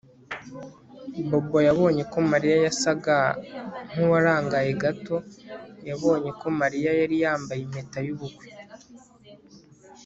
Bobo yabonye ko Mariya yasaga nkuwarangaye gato yabonye ko Mariya yari yambaye impeta yubukwe